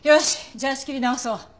じゃあ仕切り直そう。